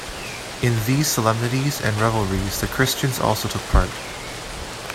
In these solemnities and revelries the Christians also took part.